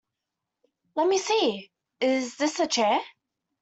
Let me see, is this a chair?